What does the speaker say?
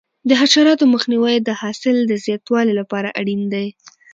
د حشراتو مخنیوی د حاصل د زیاتوالي لپاره اړین دی.